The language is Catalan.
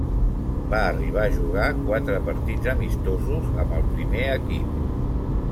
Va arribar a jugar quatre partits amistosos amb el primer equip.